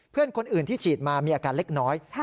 เพื่อนคนอื่นที่ฉีดมามีอาการเล็กน้อย